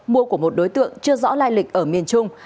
mua của một đối tượng chưa rõ lai lịch ở miền trung